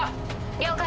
了解。